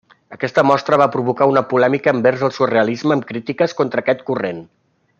Aquesta mostra va provocar una polèmica envers el surrealisme amb crítiques contra aquest corrent.